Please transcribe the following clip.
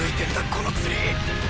このツリー。